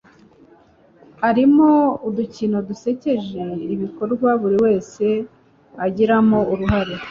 arimo udukino dusekeje, ibikorwa buri wese agiramo uruhare